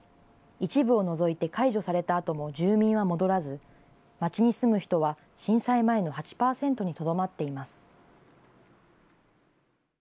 一部を除いて解除されたあとも住民は戻らず、町に住む人は震災前の８％にとどまっています。